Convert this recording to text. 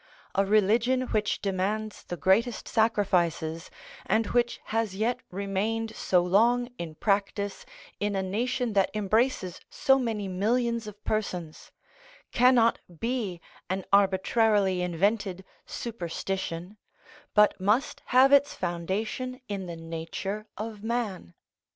A religion which demands the greatest sacrifices, and which has yet remained so long in practice in a nation that embraces so many millions of persons, cannot be an arbitrarily invented superstition, but must have its foundation in the nature of man.